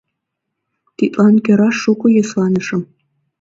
Тидлан кӧра шуко йӧсланышым.